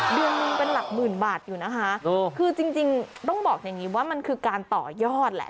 เดือนหนึ่งเป็นหลักหมื่นบาทอยู่นะคะคือจริงต้องบอกอย่างนี้ว่ามันคือการต่อยอดแหละ